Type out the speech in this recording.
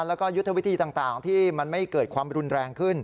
แล้วก็ยุทธวิธีต่างที่มันไม่เกิดความรุนแรงขึ้น